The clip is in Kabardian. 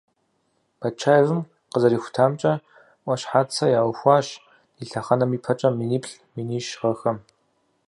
Батчаевым къызэрихутамкӀэ, Ӏуащхьацэ яухуащ ди лъэхъэнэм ипэкӀэ миниплӏ - минищ гъэхэм.